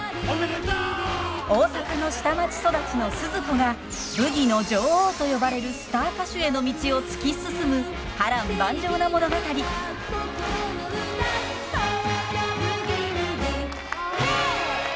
大阪の下町育ちのスズ子がブギの女王と呼ばれるスター歌手への道を突き進む波乱万丈な物語。へいっ！